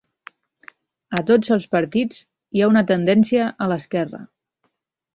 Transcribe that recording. A tots els partits hi ha una tendència a l'esquerra.